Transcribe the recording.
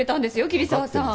桐沢さん。